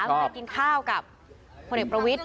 กินข้าวกับพ่อเนกประวิทย์